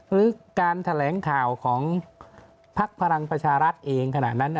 หรือการแถลงข่าวของภักดิ์พลังประชาลัศน์เองขนาดนั้น